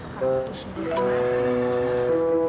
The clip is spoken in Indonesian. ya aku tuh sendiri yang mati